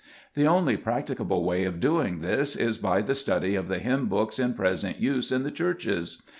The only practicable way of doing this is by the study of the hymn books in present use in the Churches.